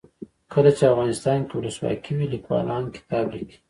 کله چې افغانستان کې ولسواکي وي لیکوالان کتاب لیکي.